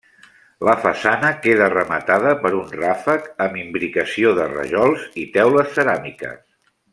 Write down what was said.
La façana queda rematada per un ràfec amb imbricació de rajols i teules ceràmiques.